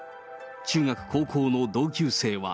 中学、高校の同級生は。